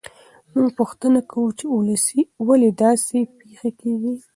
موږ پوښتنه کوو چې ولې داسې پېښې کیږي.